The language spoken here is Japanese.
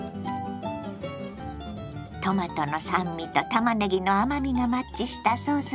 トマトの酸味とたまねぎの甘みがマッチしたソースです。